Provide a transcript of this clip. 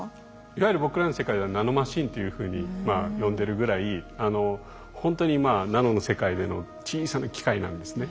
いわゆる僕らの世界ではナノマシンというふうに呼んでるぐらいほんとにナノの世界での小さな機械なんですね。